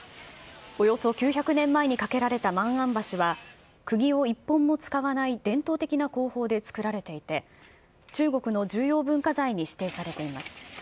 およそ９００年前に架けられた万安橋は、くぎを一本も使わない伝統的な工法で造られていて、中国の重要文化財に指定されています。